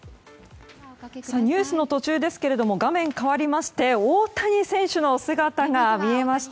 ニュースの途中ですが画面、かわりまして大谷選手の姿が見えました。